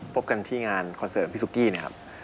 พบกันที่งานคอนเสิร์ตพี่สุกี้เนี่ยครับ